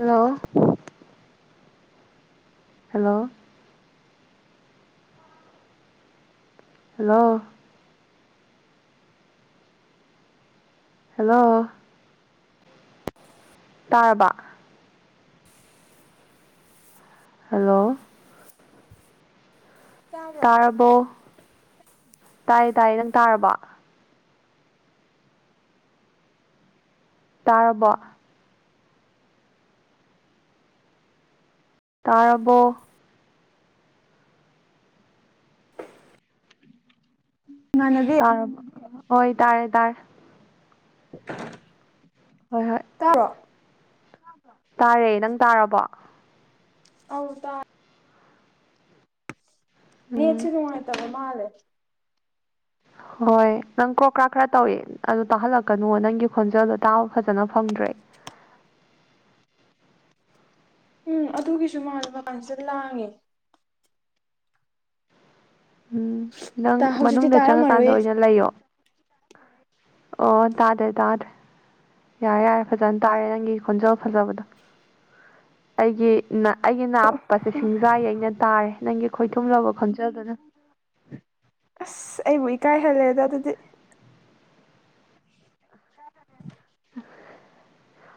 hello hello hello hello [inaudible] ꯇꯥꯔꯕꯥ hello ꯇꯥꯕ꯭ꯔꯣ ꯇꯥꯔꯕꯣ ꯇꯥꯏꯌꯦ ꯇꯥꯏꯌꯦ ꯅꯪ ꯇꯥꯔꯕꯣ ꯇꯥꯔꯕꯣ ꯇꯥꯔꯕꯣ ꯏꯃꯥꯟꯅꯕꯤ ꯇꯔꯕꯣ ꯍꯣꯏ ꯇꯥꯔꯦ ꯇꯥꯔꯦ [unintelligible] ꯍꯣꯏ ꯍꯣꯏ ꯇꯥꯕ꯭ꯔꯣ ꯇꯥꯔꯦ ꯅꯪ ꯇꯥꯔꯕꯣ ꯑꯧ ꯇꯥ ꯅꯦꯠꯁꯤ ꯎꯝ ꯅꯨꯡꯉꯥꯏꯇꯕ ꯃꯥꯜꯂꯦ ꯍꯣꯏ ꯅꯪ ꯀ꯭ꯔꯣ ꯀ꯭ꯔꯥꯛ ꯈꯔ ꯇꯧꯋꯦ ꯑꯗꯨ ꯇꯥꯍꯜꯂꯛꯀꯅꯨꯋꯣ ꯅꯪꯒꯤ ꯈꯣꯟꯖꯦꯜꯗꯣ ꯇꯥꯕ ꯐꯖꯅ ꯐꯪ ꯗ꯭ꯔꯦ ꯎꯝ ꯑꯗꯨꯒꯤꯁꯨ ꯃꯥꯜꯂꯦ ꯃꯄꯥꯟꯁꯤꯗ ꯂꯥꯡꯉꯦ ꯎꯝ ꯅꯪ ꯇꯥ ꯍꯧꯖꯤꯛꯇꯤ ꯃꯅꯨꯡꯗ ꯆꯪꯉꯀꯥꯟꯗ ꯇꯥꯔꯝꯃꯔꯣꯏꯌꯦ ꯑꯣꯏꯅ ꯂꯩꯌꯣ ꯑꯣ ꯇꯥꯗ꯭ꯔꯦ ꯇꯥꯗ꯭ꯔꯦ ꯌꯥꯔꯦ ꯌꯥꯔꯦ ꯐꯖꯟ ꯇꯥꯔꯦ ꯅꯪꯒꯤ ꯈꯣꯟꯖꯦꯜ ꯐꯖꯕꯗꯣ ꯑꯩꯒꯤ ꯅ ꯑꯩꯒꯤ ꯅꯥꯞꯄꯁꯦ ꯁꯤꯡꯖꯥ ꯌꯩꯅ ꯇꯥꯔꯦ ꯅꯪꯒꯤ ꯈꯣꯏꯊꯨꯝ ꯂꯕ ꯈꯣꯟꯖꯦꯜꯗꯨꯅ ꯑꯁ ꯑꯩꯕꯨ ꯏꯀꯥꯏꯍꯜꯂꯦꯗ ꯑꯗꯨꯗꯤ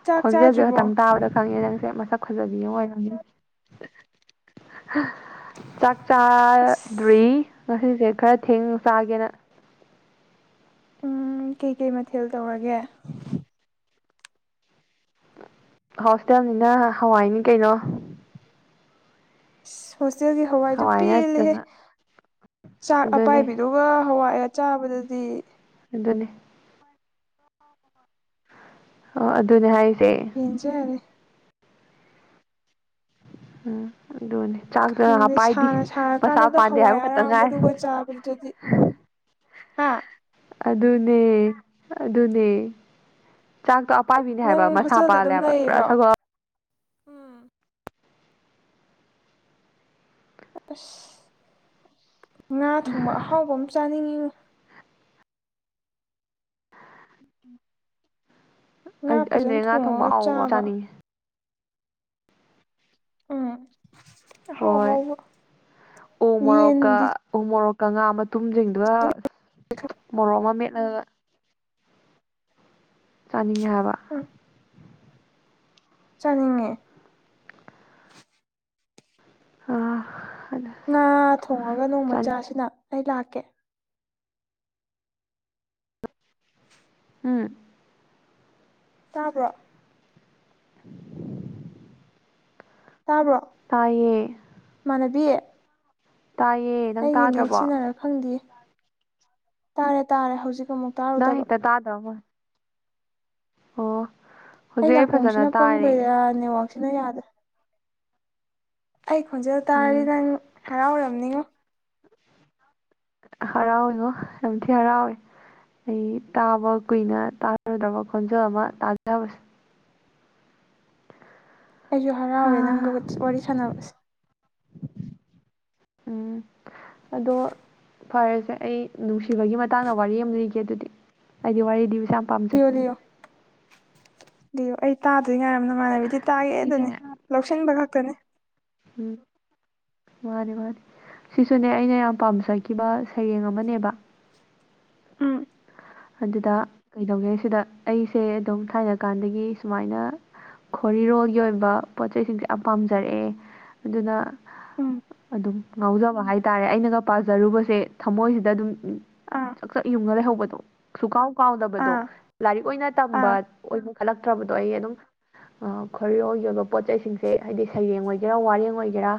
ꯆꯥꯛ ꯈꯣꯟꯖꯦꯜꯖꯦ ꯆꯥꯗ꯭ꯔꯤꯕꯣ ꯈꯇꯪ ꯇꯥꯕꯗ ꯈꯪꯉꯦ ꯅꯪꯁꯦ ꯃꯁꯛ [inaudible] ꯆꯥꯛ ꯑꯁ ꯆꯥꯔꯗ꯭ꯔꯤ ꯉꯁꯤꯁꯦ ꯈꯔ ꯊꯦꯡꯅ ꯆꯥꯒꯦꯅ ꯎꯝ ꯀꯩꯀꯩ ꯃꯊꯦꯜ ꯇꯧꯔꯒꯦ ꯍꯣꯁꯇꯦꯜꯅꯤꯅ ꯍꯋꯥꯏꯅꯤ ꯀꯩꯅꯣ ꯏꯁ ꯍꯣꯁꯇꯦꯜꯒꯤ ꯍꯋꯥꯏꯗꯨ ꯍꯋꯥꯏ ꯄꯦꯜꯂꯦꯍꯦ ꯅꯠꯇꯅ ꯆꯥꯛ ꯑꯗꯨꯅꯦ ꯑꯄꯥꯏꯕꯤꯗꯨꯒ ꯍꯋꯥꯏ ꯑꯦ ꯆꯥꯕꯗꯨꯗꯤ ꯗꯨꯅꯤ ꯑꯣ ꯑꯗꯨꯅꯦ ꯍꯥꯏ ꯄꯦꯟꯖꯔꯦ [inaudible] ꯗꯨꯅꯦ ꯆꯥꯛꯇꯨꯅꯥ ꯈꯪꯗꯦ ꯑꯄꯥꯏꯕꯤ ꯁꯥꯅ ꯃꯁꯥ ꯁꯥꯔꯀꯥꯟꯗꯨꯗ ꯄꯥꯟꯗꯦ ꯍꯋꯥꯏ ꯍꯥꯏꯕ ꯈꯠꯇ ꯉꯥꯏꯔꯦ ꯑꯔꯥꯡꯕꯗꯨꯒ ꯆꯥꯕꯗꯨꯗꯤ [inaudible] ꯍꯥ ꯑꯗꯨꯅꯦ ꯑꯗꯨꯅꯦ ꯆꯥꯛꯇꯣ ꯑ ꯄꯥꯏꯕꯤꯅꯦ ꯍꯥꯏꯕ ꯅꯪ ꯃꯁꯥ ꯍꯣꯁꯇꯦꯜꯗ ꯑꯗꯨꯝ ꯄꯥꯜꯂꯦꯍꯥꯏꯕ ꯄꯨꯔꯥ ꯂꯩꯔꯤꯔꯣ ꯁꯒꯣꯜ ꯑꯁ ꯉꯥ ꯊꯣꯡꯕ ꯑꯍꯥꯎꯕ ꯑꯃ ꯆꯥꯅꯤꯡꯉꯤꯉꯣ ꯉꯥ ꯑꯩ ꯑꯩꯅꯦ ꯐꯖꯅ ꯉꯥ ꯊꯣꯡꯕ ꯊꯣꯡꯉꯒ ꯑꯍꯥꯎꯕꯃ ꯆꯥꯕ ꯆꯥꯅꯤꯡꯉꯤ ꯎꯝ ꯑꯍꯥꯎ ꯍꯣꯏ ꯑꯍꯥꯎꯕ ꯎꯃꯣꯔꯣꯛꯀ ꯌꯦꯟꯗꯤ ꯎꯃꯣꯔꯣꯛ ꯀ ꯉꯥ ꯃꯇꯨꯝꯖꯤꯡꯗꯨꯒ ꯃꯣꯔꯣꯛ ꯑꯃ ꯃꯦꯠꯂꯒ ꯅꯤꯡꯉꯦ ꯍꯥꯏꯕ ꯎꯝ ꯆꯥꯅꯤꯡꯉꯦ ꯍꯥ ꯉꯥ ꯊꯣꯡꯉꯒ ꯅꯣꯡꯃꯆꯥꯁꯤꯅ ꯑꯩ ꯂꯥꯛꯀꯦ ꯎꯝ ꯇꯥꯕ꯭ꯔꯣ ꯇꯥꯕ꯭ꯔꯣ ꯇꯥꯏꯌꯦ ꯏꯃꯥꯟꯅꯕꯤ ꯇꯥꯏꯌꯦ ꯅꯪ ꯑꯩꯒꯤ ꯅꯦꯠ ꯇꯥꯗ꯭ꯔꯕꯣ ꯁꯤꯅꯔ ꯈꯪꯗꯤꯌꯦ ꯇꯥꯔꯦ ꯇꯥꯔꯦ ꯍꯧꯖꯤꯛ ꯑꯃꯨꯛ ꯅꯪ ꯇꯥꯔꯨꯗꯕ ꯍꯦꯛꯇ ꯇꯥꯗꯕ ꯃꯥꯟ ꯑꯣ ꯑꯩ ꯍꯧꯖꯤꯛ ꯐꯖꯅ ꯅꯥꯀꯣꯡꯁꯤꯅ ꯇꯥꯔꯦ ꯄꯪꯕꯩꯔ ꯅꯦꯠꯋꯥꯛꯁꯤꯅ ꯌꯥꯗ꯭ꯔꯦ ꯑꯩ ꯈꯣꯟꯖꯦꯜ ꯎꯝ ꯇꯥꯔꯗꯤ ꯅꯪ ꯍꯔꯥꯎꯔꯝꯅꯤꯉꯣ ꯀ ꯍꯔꯥꯎꯋꯤꯉꯣ ꯌꯥꯝ ꯊꯤ ꯍꯔꯥꯎꯋꯦ ꯑꯩ ꯇꯥꯕ ꯀꯨꯏꯅ ꯇꯥꯔꯨꯗꯕ ꯈꯣꯟꯖꯦꯜ ꯑꯃ ꯇꯥꯖꯕꯁꯦ ꯑꯩꯁꯨ ꯍꯥ ꯍꯔꯥꯎꯋꯦ ꯅꯪꯒ ꯋꯤꯠꯁ ꯋꯥꯔꯤ ꯁꯥꯟꯅꯕꯁꯦ ꯎꯝ ꯑꯗꯣ ꯐꯔꯦꯁꯦ ꯑꯩ ꯅꯨꯡꯁꯤꯕꯒꯤ ꯃꯇꯥꯡꯗ ꯋꯥꯔꯤ ꯑꯃ ꯂꯤꯒꯦ ꯑꯗꯨꯗꯤ ꯑꯩꯗꯤ ꯋꯥꯔꯤ ꯂꯤꯕ ꯌꯥꯝ ꯄꯥꯝꯖꯩ ꯂꯤꯌꯣ ꯂꯤꯌꯣ ꯂꯤꯌꯣ ꯑꯩ ꯇꯥꯥꯗꯨꯏ ꯉꯥꯏꯔꯝꯅꯦ ꯅꯃꯥꯟꯅꯕꯤꯗꯤ ꯇꯥꯒꯦꯗꯅꯤ ꯂꯧꯁꯤꯟꯕ ꯈꯛꯇꯅꯤ ꯍꯨꯝ ꯃꯥꯅꯦ ꯃꯥꯅꯦ ꯁꯤꯁꯨꯅꯦ ꯑꯩꯅ ꯌꯥꯝ ꯄꯥꯝꯖꯒꯤꯕ ꯁꯩꯔꯦꯡ ꯑꯃꯅꯦꯕ ꯎꯝ ꯑꯗꯨꯗ ꯀꯩꯗꯧꯒꯦ ꯁꯤꯗ ꯑꯩꯁꯦ ꯑꯗꯨꯝ ꯊꯥꯏꯅ ꯀꯥꯟꯗꯒꯤ ꯁꯨꯃꯥꯏꯅ ꯈꯣꯔꯤꯔꯣꯜꯒꯤ ꯑꯣꯏꯕ ꯄꯣꯠ ꯆꯩꯁꯤꯡꯁꯦ ꯌꯥꯝ ꯄꯥꯝꯖꯔꯛꯑꯦ ꯑꯗꯨꯅ ꯎꯝ ꯑꯗꯨꯝ ꯉꯥꯎꯖꯕ ꯍꯥꯏꯇꯥꯔꯦ ꯑꯩꯅꯒ ꯄꯥꯖꯔꯨꯕꯁꯦ ꯊꯃꯣꯏꯁꯤꯗ ꯑꯗꯨꯝ ꯑꯥ ꯆꯛ ꯆꯛ ꯌꯨꯡꯉ ꯂꯩꯍꯧꯕꯗꯣ ꯁꯨꯛꯀꯥꯎ ꯀꯥꯎꯗꯕꯗꯣ ꯑꯥ ꯂꯥꯏꯔꯤꯛ ꯑꯣꯏꯅ ꯑꯥ ꯇꯝꯕ ꯑꯣꯏꯃ ꯂꯛꯇ꯭ꯔꯕꯗꯣ ꯑꯩ ꯑꯗꯨꯝ ꯑꯥ ꯈꯣꯔꯤꯔꯣꯜꯒꯤ ꯑꯣꯏꯕ ꯄꯣꯠ ꯆꯩꯁꯤꯡꯁꯦ ꯍꯥꯏꯗꯤ ꯁꯩꯔꯦꯡ ꯑꯣꯏꯒꯦꯔꯥ ꯋꯥꯔꯦꯡ ꯑꯣꯏꯒꯦꯔꯥ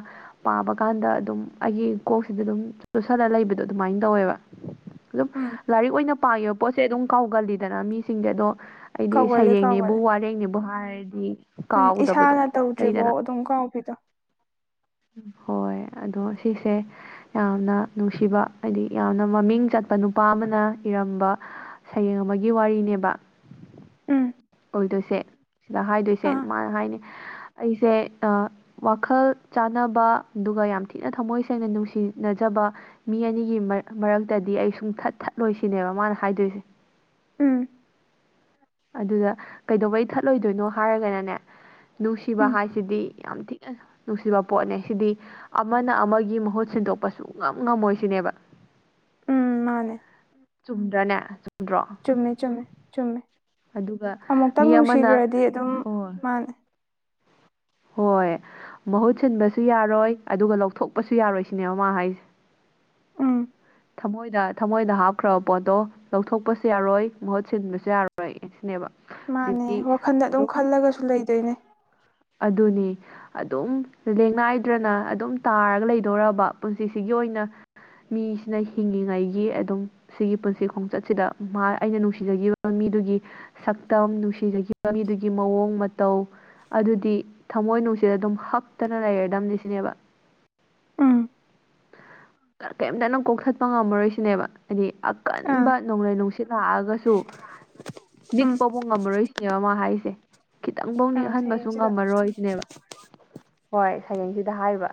ꯄꯥꯕ ꯀꯥꯟꯗ ꯑꯗꯨꯝ ꯑꯩꯒꯤ ꯀꯣꯛꯁꯤꯗ ꯗꯨꯝ ꯆꯨꯁꯜꯂ ꯂꯩꯕꯗꯣ ꯑꯗꯨꯃꯥꯏꯟ ꯇꯧꯋꯦꯕ ꯗꯨꯝ ꯎꯝ ꯂꯥꯏꯔꯤꯛ ꯑꯣꯏꯅ ꯄꯥꯒꯤꯕ ꯄꯣꯠꯁꯦ ꯑꯗꯨꯝ ꯀꯥꯎꯒꯜꯂꯤꯗꯅ ꯃꯤꯁꯤꯡꯗꯤ ꯑꯗꯣ ꯑꯩꯗꯤ ꯀꯥꯎꯒꯜꯂꯦ ꯁꯩꯔꯦꯡꯅꯦꯕꯨ ꯀꯥꯎꯒꯜꯂꯦ ꯋꯥꯔꯦꯡꯅꯦꯕꯨ ꯍꯥꯏꯔꯗꯤ ꯎꯝ ꯀꯥꯎꯗꯕꯗꯣ ꯏꯁꯥꯅ ꯂꯩꯗꯅ ꯇꯧꯗ꯭ꯔꯤꯕꯥꯎ ꯑꯗꯨꯝ ꯀꯥꯎꯕꯤꯗꯣ ꯎꯝ ꯍꯣꯏ ꯑꯗꯣ ꯁꯤꯁꯦ ꯌꯥꯝꯅ ꯅꯨꯡꯁꯤꯕ ꯍꯥꯏꯗꯤ ꯌꯥꯝꯅ ꯃꯃꯤꯡ ꯆꯠꯄ ꯅꯨꯄꯥ ꯑꯃꯅ ꯏꯔꯝꯕ ꯁꯩꯔꯦꯡ ꯑꯃꯒꯤ ꯋꯥꯔꯤꯅꯦꯕ ꯎꯝ ꯑꯣꯏꯗꯣꯏꯁꯦ ꯁꯤꯗ ꯍꯥꯏꯗꯣꯏꯁꯦ ꯑꯥ ꯃꯥꯅ ꯍꯥꯏꯅꯤ ꯑꯩꯁꯦ ꯑ ꯋꯥꯈꯜ ꯆꯥꯟꯅꯕ ꯗꯨꯒ ꯌꯥꯝ ꯊꯤꯅ ꯊꯃꯣꯏ ꯁꯦꯡꯅ ꯅꯨꯡꯁꯤꯅꯖꯕ ꯃꯤ ꯑꯅꯤꯒꯤ ꯃ ꯃꯔꯛꯇꯗ ꯑꯩ ꯁꯨꯡꯊꯠ ꯊꯠꯂꯣꯏꯁꯤꯅꯦꯕ ꯃꯥꯅ ꯍꯥꯏꯗꯣꯏꯁꯦ ꯎꯝ ꯑꯗꯨꯗ ꯀꯩꯗꯧꯕꯩ ꯊꯠꯂꯣꯏꯗꯣꯏꯅꯣ ꯍꯥꯏꯔꯒꯅꯅꯦ ꯅꯨꯡꯁꯤꯕ ꯎꯝ ꯍꯥꯏꯁꯤꯗꯤ ꯌꯥꯝ ꯊꯤꯅ ꯅꯨꯡꯁꯤꯕ ꯄꯣꯠꯅꯦ ꯁꯤꯗꯤ ꯑꯃꯅ ꯑꯃꯒꯤ ꯃꯍꯨꯠ ꯁꯤꯟꯗꯣꯛꯄ ꯁꯨꯛꯉꯝ ꯉꯝꯃꯣꯏ ꯁꯤꯅꯦꯕ ꯎꯝ ꯃꯥꯅꯦ ꯆꯨꯝꯗ꯭ꯔꯅꯦ ꯆꯨꯝꯗ꯭ꯔꯣ ꯆꯨꯝꯃꯦ ꯆꯨꯝꯃꯦ ꯆꯨꯝꯃꯦ ꯑꯗꯨꯒ ꯑꯃꯨꯛꯇꯪ ꯃꯤ ꯑꯃꯅ ꯅꯨꯡꯁꯤꯒ꯭ꯔꯗꯤ ꯑꯗꯨꯝ ꯍꯣꯏ ꯃꯥꯅꯦ ꯍꯣꯏ ꯃꯍꯨꯠ ꯁꯤꯟꯕꯁꯨ ꯌꯥꯔꯣꯏ ꯑꯗꯨꯒ ꯂꯧꯊꯣꯛꯄꯁꯨ ꯌꯥꯔꯣꯏ ꯁꯤꯅꯦꯕ ꯃꯥ ꯍꯥꯏꯁꯦ ꯎꯝ ꯊꯃꯣꯏꯗ ꯊꯃꯣꯏꯗ ꯍꯥꯞꯈ꯭ꯔꯕ ꯄꯣꯠꯇꯣ ꯂꯧꯊꯣꯛꯄꯁꯨ ꯌꯥꯔꯣꯏ ꯃꯍꯨꯠ ꯁꯤꯟꯕꯁꯨ ꯌꯥꯔꯣꯏ ꯁꯤꯅꯦꯕ ꯃꯥꯅꯦ ꯋꯥꯈꯟꯗ ꯑꯗꯨꯝ ꯈꯜꯂꯒꯁꯨ ꯂꯩꯗꯣꯏꯅꯦ ꯑꯗꯨꯅꯤ ꯑꯗꯨꯝ ꯂꯦꯡꯅꯥꯏꯗ꯭ꯔꯅ ꯑꯗꯨꯝ ꯇꯥꯔꯒ ꯂꯩꯗꯣꯔꯕ ꯄꯨꯟꯁꯤꯁꯤꯒꯤ ꯑꯣꯏ ꯅ ꯃꯤ ꯁꯤꯅ ꯍꯤꯡꯉꯤꯉꯩꯒꯤ ꯑꯗꯨꯝ ꯁꯤꯒꯤ ꯄꯨꯟꯁꯤ ꯈꯣꯡꯆꯠꯁꯤꯗ ꯃꯥ ꯑꯩꯅ ꯅꯨꯡꯁꯤꯖꯒꯤꯕ ꯃꯤ ꯗꯨꯒꯤ ꯁꯛꯇꯝ ꯅꯨꯡꯁꯤꯖꯈꯤꯕꯒꯤ ꯗꯨꯒꯤ ꯃꯑꯣꯡ ꯃꯇꯧ ꯑꯗꯨꯗꯤ ꯊꯃꯣꯏ ꯅꯨꯡꯁꯤꯗ ꯑꯗꯨꯝ ꯍꯛꯇꯅ ꯂꯩꯔꯗꯝꯅꯤ ꯁꯤꯅꯦꯕ ꯑꯝ ꯀ ꯀꯦꯝꯇꯅ ꯀꯣꯛꯊꯠꯄ ꯉꯝꯃꯔꯣꯏꯁꯤꯅꯦꯕ ꯍꯥꯏꯗꯤ ꯑꯥ ꯑꯀꯟꯕ ꯅꯣꯡꯂꯩ ꯅꯨꯡꯁꯤꯠ ꯂꯥꯛꯑꯒꯁꯨ ꯎꯝ ꯅꯤꯛꯄꯕꯨꯛ ꯉꯝꯃꯔꯣꯏꯁꯤꯅꯦꯕ ꯃꯥ ꯍꯥꯏꯁꯦ ꯈꯤꯇꯪꯕꯥꯎ ꯑꯥ ꯅꯤꯛꯍꯟꯕꯁꯨ ꯁꯩꯔꯦꯡꯁꯤꯗ ꯉꯝꯃꯔꯣꯏ ꯁꯤꯅꯦꯕ ꯍꯣꯏ ꯁꯩꯔꯦꯡꯁꯤꯗ ꯍꯥꯏꯕ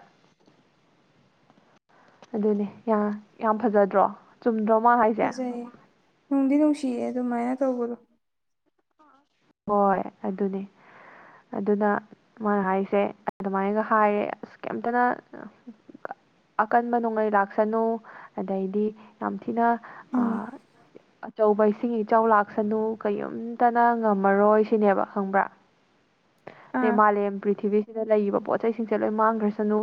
ꯑꯗꯨꯅꯦ ꯌꯥ ꯌꯥꯝ ꯐꯖꯗ꯭ꯔꯣ ꯆꯨꯝꯗ꯭ꯔꯣ ꯃꯥ ꯍꯥꯏꯁꯦ ꯐꯖꯩꯌꯦ ꯅꯨꯡꯗꯤ ꯅꯨꯡꯁꯤꯌꯦ ꯑꯗꯨꯃꯥꯏꯅ ꯇꯧꯕꯗꯣ ꯍꯣꯏ ꯑꯗꯨꯅꯦ ꯑꯗꯨꯗ ꯃꯥꯅ ꯍꯥꯏꯁꯦ ꯑꯗꯨꯃꯥꯏꯅꯒ ꯍꯥꯏꯌꯦ ꯑꯁ [unintelligible] ꯑꯀꯟꯕ ꯅꯣꯡꯂꯩ ꯂꯥꯛꯁꯅꯨ ꯑꯗꯩꯗꯤ ꯌꯥꯝ ꯊꯤꯅ ꯎꯝ ꯑꯥ ꯑꯆꯧꯕ ꯏꯁꯤꯡ ꯏꯆꯥꯎ ꯂꯥꯛꯁꯅꯨ ꯀꯩꯏꯝꯇꯅ ꯃꯔꯣꯏ ꯁꯤꯅꯦꯕ ꯈꯪꯕ꯭ꯔꯥ ꯅꯦ ꯑꯥ ꯃꯥꯂꯦꯝ ꯄ꯭ꯔꯤꯊꯤꯕꯤ ꯗ ꯂꯩꯔꯤꯕ ꯄꯣꯠ ꯆꯩꯁꯤꯡꯁꯦ ꯂꯣꯏ ꯃꯥꯡꯈ꯭ꯔꯁꯅꯨ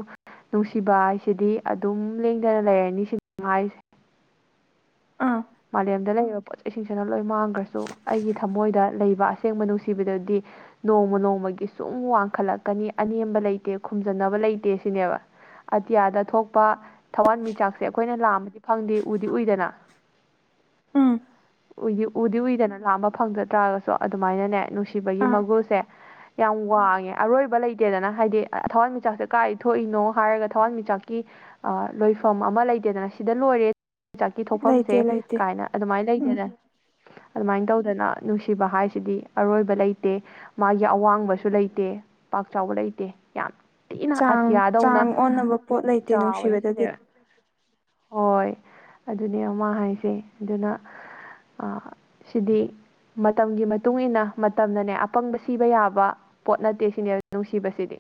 ꯅꯨꯡꯁꯤꯕ ꯍꯥꯏꯁꯤꯗꯤ ꯑꯗꯨꯝ ꯂꯦꯡꯗꯅ ꯂꯩꯔꯅꯤ ꯁꯤ [unintelligible] ꯑꯥ ꯃꯥꯂꯦꯝꯗ ꯂꯩꯔꯤꯕ ꯄꯣꯠ ꯆꯩꯁꯤꯡꯁꯤꯅ ꯂꯣꯏ ꯃꯥꯡꯒ꯭ꯔꯁꯨ ꯑꯩꯒꯤ ꯊꯃꯣꯏꯗ ꯂꯩꯕ ꯑꯁ ꯁꯦꯡꯕ ꯅꯨꯡꯁꯤꯕꯗꯨꯗꯤ ꯅꯣꯡꯃ ꯅꯣꯡꯃꯒꯤ ꯁꯨꯝ ꯋꯥꯡꯈꯠꯂꯛꯀꯅꯤ ꯑꯅꯦꯝꯕ ꯂꯩꯇꯦ ꯈꯨꯝꯖꯟꯅꯕ ꯂꯩꯇꯦ ꯁꯤꯅꯦꯕ ꯑꯇꯤꯌꯥꯗ ꯊꯣꯛꯄ ꯊꯋꯥꯟꯃꯤꯆꯥꯛꯁꯦ ꯑꯈꯣꯏꯅ ꯂꯥꯝꯕꯗꯤ ꯐꯪꯗꯦ ꯎꯗꯤ ꯎꯏꯗꯅ [inaudible] ꯎꯝ ꯎꯏꯗꯤ ꯎꯗꯤ ꯎꯏꯗꯅ ꯂꯥꯝꯕ ꯐꯪꯗ ꯇꯥꯔꯒꯁꯨ ꯑꯗꯨꯃꯥꯏꯅꯅꯦ ꯅꯨꯡꯁꯤꯕꯒꯤ ꯑꯥ ꯃꯒꯨꯜꯁꯦ ꯌꯥꯝ ꯋꯥꯡꯉꯦ ꯑꯔꯣꯏꯕ ꯂꯩꯇꯦꯗꯅ ꯍꯥꯏꯗꯤ ꯊꯋꯥꯟꯃꯤꯆꯥꯛꯁꯦ ꯀꯥꯏ ꯊꯣꯛꯏꯅꯣ ꯍꯥꯏꯔꯒ ꯊꯋꯥꯟꯃꯤꯆꯥꯛꯀꯤ ꯑ ꯂꯣꯏꯐꯝ ꯑꯃ ꯂꯩꯇꯦꯗꯅ ꯁꯤꯗ ꯂꯣꯏꯔꯦ ꯆꯛꯀꯤ ꯂꯩꯇꯦ ꯊꯣꯛꯐꯝꯁꯦ ꯂꯩꯇꯦ ꯀꯥꯏꯅ ꯑꯗꯨꯃꯥꯏ ꯎꯝ ꯂꯩꯇꯦꯗꯅ ꯑꯗꯨꯝꯃꯥꯏ ꯇꯧꯗꯅ ꯅꯨꯡꯁꯤꯕ ꯍꯥꯏꯁꯤꯗꯤ ꯑꯔꯣꯏꯕ ꯂꯩꯇꯦ ꯃꯥꯒꯤ ꯑꯋꯥꯡꯕꯁꯨ ꯂꯩꯇꯦ ꯄꯥꯛ ꯆꯥꯎꯕ ꯂꯩꯇꯦ ꯌꯥꯝ ꯊꯤꯅ ꯆꯥꯡ ꯑꯇꯤꯌꯥꯗꯧꯅ ꯆꯥꯡ ꯑꯣꯟꯅꯕ ꯄꯣꯠ ꯂꯩꯇꯦ ꯆꯥꯎꯋꯦ ꯅꯨꯡꯁꯤꯕꯗꯗꯤ ꯁꯤꯁꯦ ꯍꯣꯏ ꯑꯗꯨꯅꯦ ꯃꯥ ꯍꯥꯏꯁꯦ ꯑꯗꯨꯅ ꯑ ꯁꯤꯗꯤ ꯃꯇꯝꯒꯤ ꯃꯇꯨꯡ ꯏꯟꯅ ꯃꯇꯝꯅꯅꯦ ꯑꯄꯪꯕ ꯁꯤꯕ ꯌꯥꯕ ꯄꯣꯠ ꯅꯠꯇꯦ ꯁꯤꯅꯦ ꯅꯨꯡꯁꯤꯕꯁꯤꯗꯤ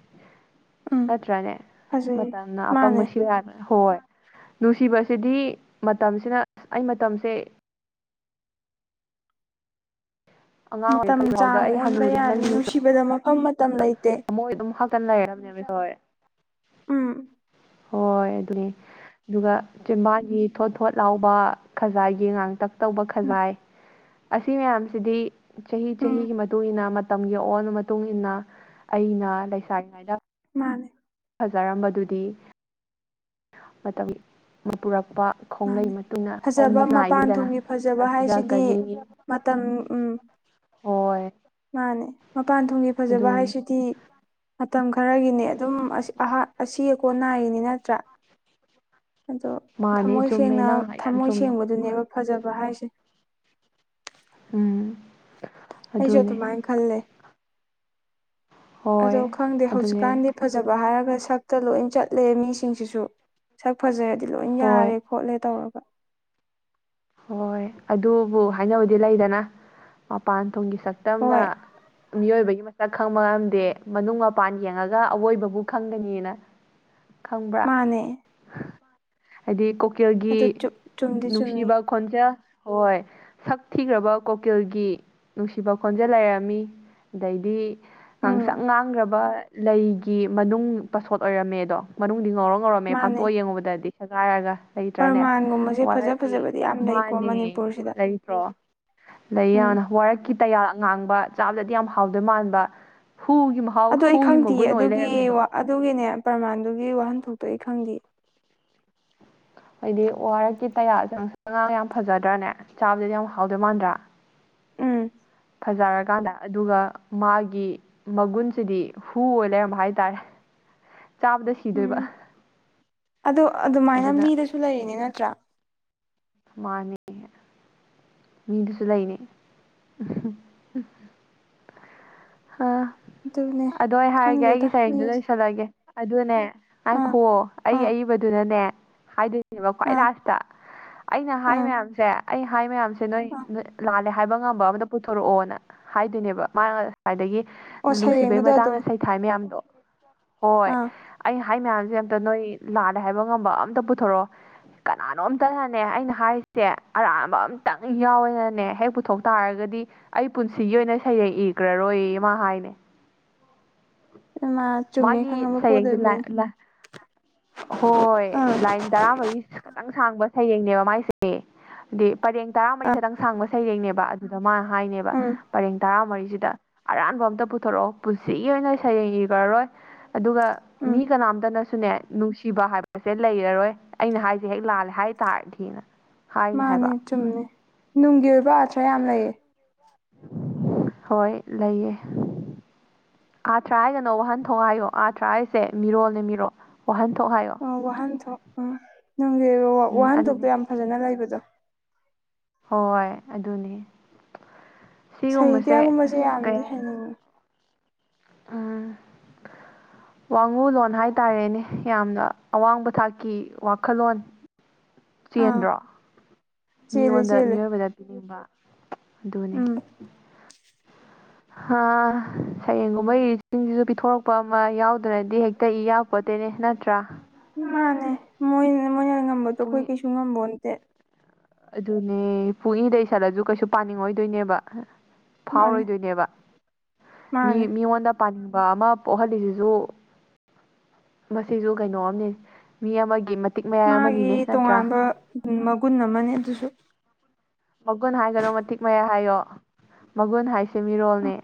ꯎꯝ ꯅꯠꯇ꯭ꯔꯅꯦ ꯐꯖꯩ ꯃꯇꯝꯅ ꯃꯥꯅꯦ ꯑꯄꯪꯕ [unintelligible] ꯍꯣꯏ ꯅꯨꯡꯁꯤꯕꯁꯤꯗꯤ ꯃꯇꯝꯁꯤꯅ ꯑꯩ ꯃꯇꯝꯁꯦ ꯑꯉꯥꯡ ꯑꯣꯏꯔꯤ ꯃꯇꯝ [unintelligible] ꯐꯥꯎꯗ ꯆꯥꯡ ꯑꯩ ꯑꯣꯟꯕ ꯍꯅꯨꯔꯤ ꯌꯥꯅꯤ ꯅꯪꯗꯤ ꯅꯨꯡꯁꯤ ꯅꯨꯡꯁꯤꯕꯗ ꯃꯐꯝ ꯃꯇꯝ ꯂꯩꯇꯦ ꯊꯃꯣꯏ ꯑꯗꯨꯝ ꯍꯛꯇꯅ ꯂꯩꯔꯝꯅꯦꯃꯤ ꯍꯣꯏ ꯎꯝ ꯍꯣꯏ ꯑꯗꯨꯅꯦ ꯑꯗꯨꯒ ꯆꯤꯝꯕꯥꯟꯒꯤ ꯊꯣꯠ ꯊꯣꯠ ꯂꯥꯎꯕ ꯈꯖꯥꯏ ꯒꯤ ꯉꯥꯡꯇꯛ ꯇꯧꯕ ꯎꯝ ꯈꯖꯥꯏ ꯑꯁꯤ ꯃꯌꯥꯝꯁꯤꯗꯤ ꯆꯍꯤ ꯎꯝ ꯆꯍꯤꯒꯤ ꯃꯇꯨꯡ ꯏꯟꯅ ꯃ ꯇꯝꯒꯤ ꯑꯋꯣꯟꯕ ꯃꯇꯨꯡ ꯏꯟꯅ ꯑꯩꯅ ꯂꯩꯁꯥꯔꯤꯉꯩꯗ ꯃꯥꯅꯦ ꯐꯖꯔꯝꯕꯗꯨꯗꯤ ꯃꯇꯝ [unintelligible] ꯄꯨꯔꯛ ꯄ ꯈꯣꯡꯂꯩ ꯃꯥꯅꯦ [unintelligible] ꯐꯖꯕ ꯑꯣꯟꯕ ꯃꯄꯥꯟ ꯅꯥꯏꯅꯤꯗꯅ ꯊꯣꯡꯒꯤ ꯐꯖꯕ ꯍꯥꯏꯁꯤꯗꯤ [unintelligible] ꯃꯇꯝ ꯎꯝ ꯍꯣꯏ ꯃꯥꯅꯦ ꯃꯄꯥꯟ ꯊꯣꯡꯒꯤ ꯐꯖꯕ ꯑꯗꯨꯅꯤ ꯍꯥꯏꯁꯤꯗꯤ ꯃꯇꯝ ꯈꯔꯒꯤꯅꯦ ꯑꯗꯨꯝ [unintelligible] ꯑꯍꯥꯟ ꯑꯁꯤ ꯑꯀꯣꯟ ꯅꯥꯏꯔꯤꯅꯤ ꯅꯠꯇ꯭ꯔ ꯑꯗꯣ ꯃꯥꯅꯤ ꯊꯝꯃꯣꯏ ꯆꯨꯝꯃꯦ ꯁꯦꯡꯅ ꯅꯪ ꯍꯥꯏ ꯌꯥꯝ ꯊꯝꯃꯣꯏ ꯆꯨꯝꯃꯦ ꯁꯦꯡꯕꯗꯨꯅꯦꯕ ꯐꯖꯕ ꯍꯥꯏꯁꯦ ꯎꯝ ꯑꯩꯁꯨ ꯑꯗꯨꯅꯦ ꯑꯗꯨꯨꯝꯃꯥꯏ ꯈꯜꯂꯦ ꯑꯗꯣ ꯍꯣꯏ ꯈꯪꯗꯦ ꯑꯗꯨꯅꯦ ꯍꯧꯖꯤꯛꯀꯥꯟꯗꯤ ꯐꯖꯕ ꯍꯥꯏꯔ ꯁꯛꯇ ꯂꯣꯏ ꯆꯠꯂꯦ ꯃꯤꯁꯤꯡꯁꯤꯁꯨ ꯁꯛ ꯐꯖꯔꯗꯤ ꯂꯣꯏ ꯍꯣꯏ ꯌꯥꯔꯦ ꯈꯣꯠꯂꯦ ꯇꯧꯔꯒ ꯍꯣꯏ ꯑꯗꯨꯕꯨ ꯍꯥꯏꯅꯕꯗꯤ ꯂꯩꯗꯅ ꯃꯄꯥꯟ ꯊꯣꯡꯒꯤ ꯁꯛꯇꯝꯅ ꯍꯣꯏ ꯃꯤꯑꯣꯏꯕꯒꯤ ꯃ ꯁꯛ ꯈꯪꯕ ꯉꯝꯗꯦ ꯃꯅꯨꯡ ꯃꯄꯥꯟ ꯌꯦꯡꯉꯒ ꯑꯋꯣꯏꯕꯕꯨ ꯈꯪꯒꯅꯤꯅ ꯈꯪꯕ꯭ꯔꯥ ꯃꯥꯅꯦ ꯍꯥꯏꯗꯤ ꯀꫭꯀꯤꯜꯒꯤ ꯑꯗꯨ ꯆꯨꯝꯗꯤ ꯆꯨꯝꯃꯤ ꯅꯨꯡꯁꯤꯕ ꯈꯣꯟꯖꯦꯜ ꯍꯣꯏ ꯁꯛ ꯊꯤꯈ꯭ꯔꯕ ꯀꯣꯀꯤꯜꯒꯤ ꯅꯨꯡꯁꯤꯕ ꯈꯣꯟꯖꯦꯜ ꯂꯩꯔꯝꯃꯤ ꯗꯩꯗꯤ ꯎꯝ ꯉꯥꯡꯁꯪ ꯉꯥꯡꯒ꯭ꯔꯕ ꯂꯩꯒꯤ ꯃꯅꯨꯡ ꯄꯁꯣꯠ ꯑꯣꯏꯔꯝꯃꯦꯗꯣ ꯃꯅꯨꯡ ꯨ [unintelligible] ꯉꯧꯔꯣꯛ ꯉꯧꯔꯝꯃꯦ ꯃꯥꯅꯦ ꯐꯥꯛꯇꯣꯛꯑ ꯌꯦꯡꯉꯨꯕꯗꯗꯤ ꯁꯦꯒꯥꯏꯔꯒ ꯂꯩꯇ꯭ꯔꯅꯦ ꯄ꯭ꯔꯃꯥꯟꯒꯨꯝꯕꯁꯦ ꯐꯖ ꯋꯥꯔꯛꯀꯤ ꯐꯖꯕꯗꯤ ꯌꯥꯝ ꯂꯩꯀꯣ ꯃꯥꯅꯦ ꯃꯅꯤꯄꯨꯔꯁꯤꯗ ꯂꯩꯇ꯭ꯔꯣ ꯂꯩ ꯎꯝ ꯌꯥꯝꯅ ꯋꯥꯔꯛꯀꯤ ꯇꯌꯥꯜ ꯑꯉꯥꯡꯕ ꯆꯥꯕꯗꯗꯤ ꯌꯥꯝ ꯍꯥꯎꯗꯣꯏ ꯃꯥꯟꯕ ꯍꯨꯒꯤ ꯃꯍꯥꯎ ꯑꯗꯨ ꯑꯩ ꯍꯨꯒꯤ ꯈꯪꯗꯤꯌꯦ ꯃꯒꯨꯟ ꯑꯣꯏ ꯑꯗꯨꯒꯤ ꯂꯩꯔꯝꯃꯦꯗꯣ ꯋ ꯑꯗꯨꯒꯤꯅꯦ ꯄꯔꯃꯥꯟꯗꯨꯒꯤ ꯋꯥꯍꯟꯊꯣꯛꯇꯣ ꯑꯩ ꯈꯪꯗꯤꯌꯦ ꯍꯥꯏꯗꯤ ꯋꯥꯔꯛꯀꯤ ꯇꯌꯥꯜꯁꯦ ꯉꯥꯡꯁꯡ ꯉꯥꯡꯉꯒ ꯌꯥꯝ ꯐꯖꯗ꯭ꯔꯅꯦ ꯆꯥꯕꯗꯗꯤ ꯌꯥꯝ ꯍꯥꯎꯗꯣꯏ ꯃꯥꯟꯗ꯭ꯔ ꯎꯝ ꯐꯖꯔꯀꯥꯟꯗ ꯑꯗꯨꯒ ꯃꯥꯒꯤ ꯃꯒꯨꯟꯁꯤꯗꯤ ꯍꯨ ꯑꯣꯏ ꯂꯩꯔꯝꯕ ꯍꯥꯏꯇꯥꯔꯦ ꯆꯥꯕꯗ ꯁꯤꯗꯣꯏꯕ ꯑꯗꯨ ꯑꯗꯨꯃꯥꯏꯅ ꯑꯗꯨꯅ ꯃꯤꯗꯁꯨ ꯂꯩꯔꯤꯅꯤ ꯅꯠꯇ꯭ꯔ ꯃꯥꯅꯤ ꯃꯤꯗꯨꯁꯨ ꯂꯩꯅꯦ ꯎꯍꯨꯝ [unintelligible] ꯍ ꯑꯗꯨꯅꯦ ꯑꯗꯣ ꯑꯩ ꯍꯥꯏꯔꯒꯦ ꯑꯩꯒꯤ ꯈꯪꯗꯦꯗ ꯁꯩꯔꯦꯡꯗꯨ ꯃꯤꯁꯦ ꯂꯣꯏꯁꯤꯜꯂꯒꯦ ꯑꯗꯨꯅꯦ ꯑꯥ ꯉꯥꯏꯈꯨꯑꯣ ꯑꯩ ꯑꯥ ꯑꯏꯕꯗꯨꯅꯅꯦ ꯍꯥꯏꯗꯣꯏ [unintelligible] ꯈ꯭ꯋꯥꯏ ꯑꯥ ꯂꯥꯁꯇ ꯑꯩꯅ ꯍꯥꯏ ꯎꯝ ꯃꯌꯥꯝꯁꯦ ꯑꯩ ꯍꯥꯏ ꯃꯌꯥꯝꯁꯦ ꯅꯣꯏ ꯑꯥ ꯅꯣꯏ ꯂꯥꯜꯂꯦ ꯍꯥꯏ ꯍꯥꯏꯕ ꯉꯝꯕ ꯑꯃꯗ ꯄꯨꯊꯣꯔꯛꯑꯣꯅ ꯍꯥꯏꯗꯣꯏꯅꯦꯕ ꯃꯥꯅ ꯉꯁꯥꯏꯗꯒꯤ ꯑꯣ ꯅꯨꯡꯁꯤꯕꯩ ꯁꯩꯔꯦꯡꯗꯨꯗ ꯃꯇꯥꯡꯗ ꯑꯗꯨꯝ ꯁꯩꯊꯥꯏ ꯃꯌꯥꯝꯗꯣ ꯍꯣꯏ ꯑꯥ ꯑꯩ ꯍꯥꯏ ꯃꯌꯥꯝ ꯁꯦ ꯑꯝꯇ ꯅꯣꯏ ꯂꯥꯜꯂꯦ ꯍꯥꯏꯕ ꯉꯝꯕ ꯑꯝꯇ ꯄꯨꯊꯣꯔꫭꯑꯣ ꯀꯅꯥꯅꯣꯝꯇꯅꯅꯦ ꯑꯩꯅ ꯍꯥꯏꯔꯤꯁꯦ ꯑꯔꯥꯟꯕ ꯑꯝꯇꯪ ꯌꯥꯎꯋꯦꯅꯅꯦ ꯍꯦꯛ ꯄꯨꯊꯣꯛ ꯇꯥꯔꯒ ꯗꯤ ꯑꯩ ꯄꯨꯟꯁꯤꯒꯤ ꯑꯣꯏꯅ ꯁꯩꯔꯦꯡ ꯏꯒ꯭ꯔꯔꯣꯏꯌꯦ ꯃꯥ ꯍꯥꯏꯅꯦ ꯃꯥ ꯆꯨꯝꯃꯦ ꯃꯥꯒꯤ ꯈꯪꯉꯕ ꯄꯣꯠ ꯁꯩꯔꯦꯡꯁꯦ ꯑꯣꯏꯕꯩꯅꯦ [unintelligible] ꯍꯣꯏ ꯑꯥ ꯂꯥꯏꯟ ꯇꯔꯥ ꯃꯔꯤ ꯇꯪ ꯁꯥꯡꯕ ꯁꯩꯔꯦꯡꯅꯦꯕ ꯃꯥꯏꯁꯦ ꯍꯥꯏꯗꯤ ꯄꯔꯦꯡ ꯇꯔꯥꯃꯔꯤ ꯑꯥ ꯈꯇꯪ ꯁꯥꯡꯕ ꯁꯩꯔꯦꯡꯅꯦꯕ ꯑꯗꯨꯗ ꯃꯥ ꯍꯥꯏꯅꯦꯕ ꯎꯝ ꯄꯔꯦꯡ ꯇꯔꯥꯃꯔꯤ ꯗ ꯑꯔꯥꯟꯕ ꯑꯝꯇ ꯄꯨꯊꯣꯔꫭꯑꯣ ꯄꯨꯟꯁꯤꯒꯤ ꯑꯣꯏꯅ ꯁꯩꯔꯦꯡ ꯏꯒ꯭ꯔꯔꯣꯏ ꯑꯗꯨꯒ ꯎꯝ ꯃꯤ ꯀꯅꯥꯝꯇꯅ ꯁꯨꯅꯦ ꯅꯨꯡꯁꯤꯕ ꯍꯥꯏꯕꯁꯦ ꯂꯩꯔꯔꯣꯏ ꯑꯩꯅ ꯍꯥꯏꯁꯦ ꯍꯦꯛ ꯂꯥꯜꯂꯦ ꯍꯥꯏ ꯇꯥꯔꯗꯤꯅ ꯍꯥꯏꯅꯦ ꯃꯥꯅꯦ ꯍꯥꯏꯕ ꯆꯨꯝꯃꯦ ꯅꯨꯡꯒꯤ ꯑꯣꯏꯕ ꯑꯥꯊ꯭ꯔ ꯌꯥꯝ ꯂꯩꯌꯦ ꯍꯣꯏ ꯂꯩꯌꯦ ꯑꯥꯊ꯭ꯔ ꯍꯥꯏꯒꯅꯣ ꯋꯥꯍꯟꯊꯣꯛ ꯍꯥꯏꯌꯣ ꯑꯥꯊ꯭ꯔ ꯍꯥꯏꯁꯦ ꯃꯤꯔꯣꯜꯅꯦ ꯃꯤꯔꯣꯠ ꯋꯥꯍꯟ ꯑꯣ ꯋꯥꯍꯟꯊꯣꯛ ꯑ ꯅꯨꯡꯒꯤ ꯑꯣꯏꯕ ꯎꯝ ꯋꯥꯍꯟꯊꯣꯛꯇꯣ ꯑꯗꯨꯅꯦ ꯌꯥꯝ ꯐꯖꯅ ꯂꯩꯕꯗꯣ ꯍꯣꯏ ꯑꯗꯨꯅꯦ ꯁꯤꯒꯨꯝꯕꯁꯦ ꯁꯥꯍꯤꯇ꯭ꯌꯥꯒꯨꯝꯕꯁꯦ ꯑꯁ ꯀꯩ ꯌꯥꯝꯅꯗꯤ ꯍꯥꯏ ꯍꯩꯅꯤꯡꯉꯤ ꯑ [unintelligible] ꯋꯥꯡꯉꯨ ꯂꯣꯟ ꯍꯥꯏꯇꯥꯔꯦꯅꯦ ꯌꯥꯝꯅ ꯑꯋꯥꯡꯕ ꯊꯥꯛꯀꯤ ꯋꯥꯈꯜꯂꯣꯟ ꯑꯥ ꯆꯦꯟꯗ꯭ꯔꯣ ꯆꯦꯜꯂꯦ ꯃꯤꯉꯣꯟꯗ ꯆꯦꯜꯂꯦ ꯃꯤꯑꯣꯏꯕꯗ ꯄꯤꯅꯤꯡꯕ ꯑꯗꯨꯅꯦ ꯎꯝ ꯍꯥ ꯁꯩꯔꯦꯡꯒꯨꯝꯕ ꯏꯔꯤꯁꯤꯡꯁꯤꯁꯨ ꯄꯤꯊꯣꯔꯛꯄ ꯑꯃ ꯌꯥꯎꯗ꯭ꯔꯗꯤ ꯍꯦꯛꯇ ꯏ ꯌꯥꯄꯣꯠꯇꯦ ꯅꯦ ꯅꯠꯇ꯭ꯔ ꯃꯥꯅꯦ ꯃꯣꯏꯅ ꯃꯣꯏꯅ ꯉꯝꯕꯗꯣ ꯑꯩꯈꯣꯏ ꯄꯨꯡ ꯀꯩꯁꯨ ꯉꯝꯕꫭꯟꯇꯦ ꯑꯗꯨꯅꯦ ꯄꯨꯡꯏꯗ ꯏꯁꯜꯂꯁꯨ ꯀꯩꯁꯨ ꯄꯥꯅꯤꯡꯉꯣꯏꯗꫭꯏꯅꯦꯕ ꯃꯥꯅꯦ ꯐꯥꯎꯔꯣꯏꯗꯣꯏꯅꯦꯕ ꯃꯤ ꯃꯥꯅꯦ ꯃꯤꯉꯣꯟꯗ ꯄꯥꯅꯤꯡꯕ ꯑꯃ ꯄꯣꯛꯍꯜꯂꯤꯁꯤꯁꯨ ꯃꯁꯤꯁꯨ ꯀꯩꯅꯣꯝꯅꯦ ꯃꯤ ꯑꯃꯒꯤ ꯃ ꯃꯥꯒꯤ ꯇꯣꯉꯥꯟꯕ ꯃꯒꯨꯟ ꯑꯃꯅꯦ ꯑꯗꯨꯁꯨ ꯃꯒꯨꯟ ꯍꯥꯏꯒꯅꯣ ꯃꯇꯤꯛ ꯃꯌꯥꯏ ꯍꯥꯏꯌꯣ ꯃꯒꯨꯟ ꯍꯥꯏꯁꯦ ꯃꯤꯔꯣꯜꯅꯦ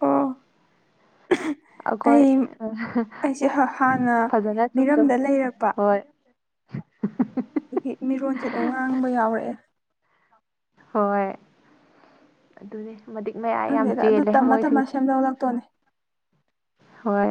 ꯑꯣ [inaudible] ꯑꯈꯣꯏ ꯑꯩ ꯍ ꯑꯩꯁꯦ ꯍꯥꯟꯅ ꯐꯖꯅ ꯆꯨꯝ ꯆꯨꯝ ꯃꯤꯔꯝꯗ ꯂꯩꯔꯛꯄ ꯍꯣꯏ [unintelligible] ꯃꯤꯔꯣꯟꯁꯦ ꯑꯗꯨꯝ ꯉꯥꯡꯕ ꯌꯥꯎꯔꯛꯑꯦ ꯍꯣꯏ ꯑꯗꯨꯅꯦ ꯃꯇꯤꯛ ꯃꯌꯥꯏ ꯌꯥꯝ ꯈꯪꯗꯦꯗ ꯑꯗꯨ ꯆꯦꯜꯂꯦ ꯇꯝꯃ ꯇꯝꯃ ꯃꯣꯏꯁꯤꯡꯁꯦ ꯁꯦꯝꯗꯣꯛꯂꯛꯇꯣꯅꯦ ꯍꯣꯏ